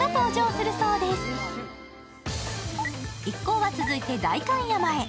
一行は、続いて代官山へ。